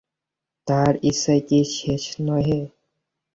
তাঁহার ইচ্ছাই কি শেষ নহে।